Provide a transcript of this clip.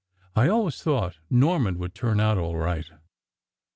I always thought Norman would turn out all right."